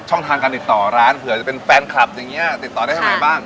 ทางการติดต่อร้านเผื่อจะเป็นแฟนคลับอย่างนี้ติดต่อได้ทางไหนบ้าง